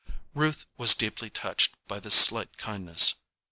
"] Ruth was deeply touched by this slight kindness.